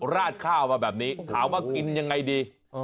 ราดค่าว่าแบบนี้